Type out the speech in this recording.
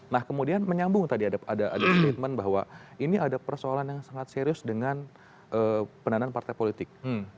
nah kemudian menyambung tadi ada statement bahwa ini ada persoalan yang sangat serius dengan pendanaan partai politik